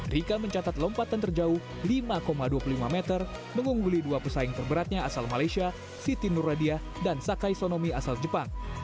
rika mencatat lompatan terjauh lima dua puluh lima meter mengungguli dua pesaing terberatnya asal malaysia siti nuradia dan sakai sonomi asal jepang